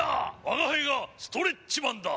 我が輩がストレッチマンだ。